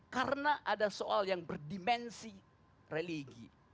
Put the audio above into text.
karena ada soal yang berdimensi religi